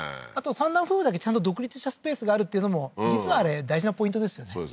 あと３男夫婦だけちゃんと独立したスペースがあるっていうのも実はあれ大事なポイントですよね